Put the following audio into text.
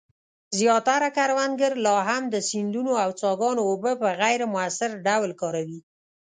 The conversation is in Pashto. زیاتره کروندګر لا هم د سیندونو او څاګانو اوبه په غیر مؤثر ډول کاروي.